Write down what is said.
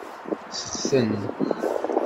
Sexten.